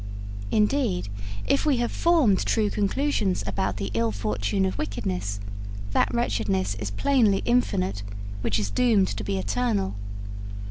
Indeed, if we have formed true conclusions about the ill fortune of wickedness, that wretchedness is plainly infinite which is doomed to be eternal.'